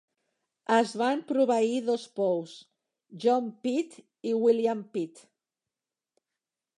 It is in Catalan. Es van proveir dos pous: John Pit i William Pit.